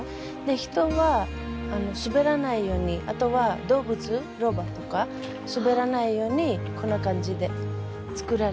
人は滑らないようにあとは動物ロバとか滑らないようにこんな感じで作られています。